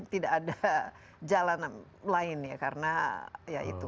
tidak ada jalan lain ya karena ya itu